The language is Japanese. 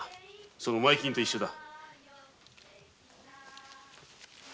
その前金と一緒でな。